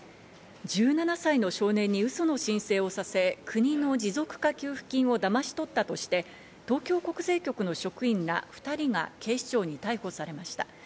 １７歳の少年にウソの申請をさせ、国の持続化給付金をだまし取ったとして、東京国税局の職員ら２人が警視庁に逮捕されました。